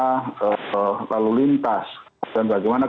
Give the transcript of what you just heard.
kecelakaan lalu lintas bagaimana